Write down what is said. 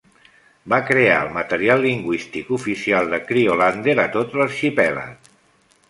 Va crear el material lingüístic oficial de "Kriolander" a tot l'arxipèlag.